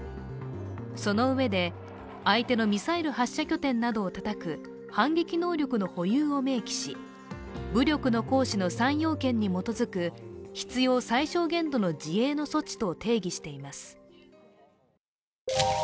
そのうえで、相手のミサイル発射拠点などをたたく反撃能力の保有を明記し武力の行使の３要件に基づく必要最小限程度の自衛の措置と定義しています。